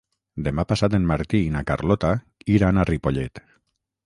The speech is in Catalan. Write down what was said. Demà passat en Martí i na Carlota iran a Ripollet.